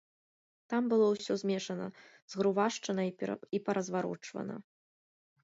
Там было ўсё змешана, згрувашчана і паразварочвана.